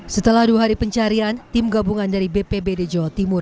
setelah dua hari pencarian tim gabungan dari bpbd jawa timur